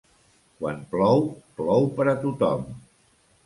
Quan plou, plou per a tothom.